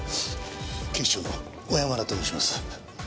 警視庁の小山田と申します。